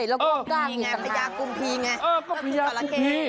เอ้อพ่อยากุมพรี